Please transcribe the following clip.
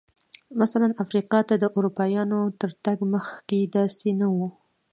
مثلاً افریقا ته د اروپایانو تر تګ مخکې داسې نه و.